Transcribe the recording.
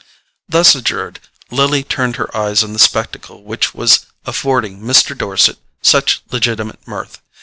Thus adjured, Lily turned her eyes on the spectacle which was affording Mr. Dorset such legitimate mirth.